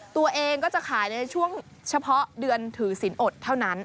ตัวเองก็จะขายในช่วงเฉพาะเดือนถือศิลปอดเท่านั้น